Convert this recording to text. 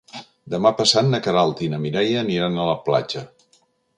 Demà passat na Queralt i na Mireia aniran a la platja.